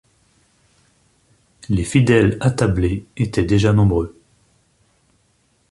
Les fidèles « attablés » étaient déjà nombreux.